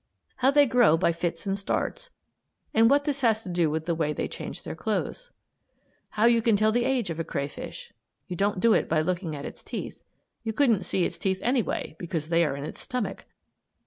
How they grow by fits and starts, and what this has to do with the way they change their clothes. How you can tell the age of a crayfish. (You don't do it by looking at its teeth. You couldn't see its teeth anyway, because they are in its stomach.)